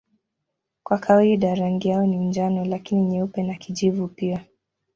Kwa kawaida rangi yao ni njano lakini nyeupe na kijivu pia.